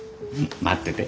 待ってて。